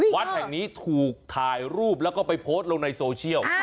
วัดแห่งนี้ถูกถ่ายรูปแล้วก็ไปโพสต์ลงในโซเชียล